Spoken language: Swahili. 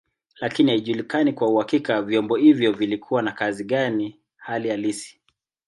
Lakini haijulikani kwa uhakika vyombo hivyo vilikuwa na kazi gani hali halisi.